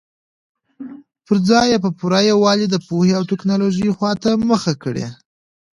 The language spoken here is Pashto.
پر ځای یې په پوره یووالي د پوهې او ټکنالوژۍ خواته مخه کړې.